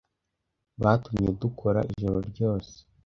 Batumye dukora ijoro ryose.